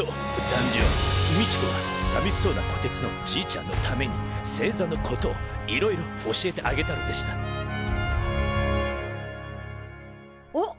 みちこはさみしそうなこてつのじいちゃんのために星座のことをいろいろ教えてあげたのでしたあっ！